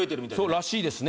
そうらしいですね。